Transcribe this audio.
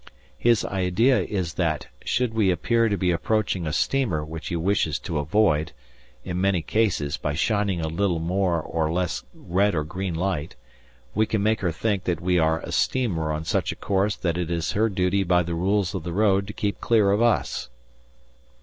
His idea is that, should we appear to be approaching a steamer which he wishes to avoid, in many cases, by shining a little more or less red and green light, we can make her think that we are a steamer on such a course that it is her duty by the rules of the road to keep clear of us.